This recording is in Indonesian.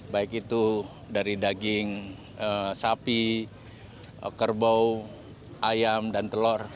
baik itu dari daging sapi kerbau ayam dan telur